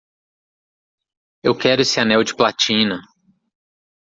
Eu quero esse anel de platina!